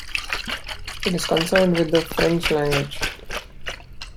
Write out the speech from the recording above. It is concerned with the French language.